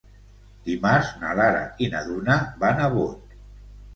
Dimarts na Lara i na Duna van a Bot.